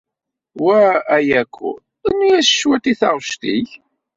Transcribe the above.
Wa Ayako, rnu-yas cwiṭ i taɣect-ik.